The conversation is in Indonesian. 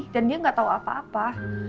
dan dia gak tau apa apa